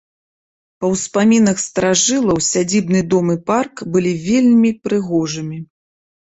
Па ўспамінах старажылаў сядзібны дом і парк былі вельмі прыгожымі.